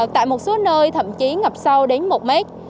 tại một số nơi thậm chí ngập sâu đến một mét